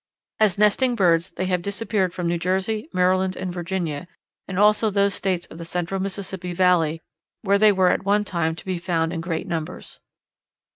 As nesting birds, they have disappeared from New Jersey, Maryland, and Virginia, and also those States of the central Mississippi Valley where they were at one time to be found in great numbers.